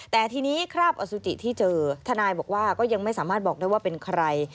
แต่ทีนี้คราบอสุจิที่เจอทนายบอกว่าก็ยังไม่สามารถบอกได้ว่าเป็นใคร